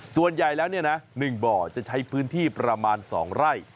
ส่วนใหญ่แล้ว๑บ่อจะใช้พื้นที่ประมาณ๒ไร่